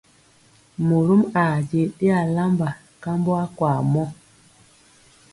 Morom aa je ɗe alamba kambɔ akwaa mɔ.